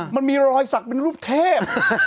มันมีรอยสักเป็นรูปเทพ